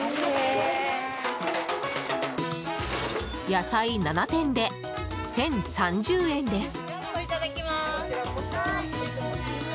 野菜７点で１０３０円です。